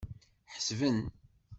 Ḥesben.